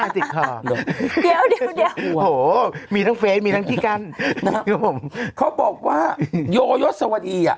ถูกวิ่งอย่างอวรี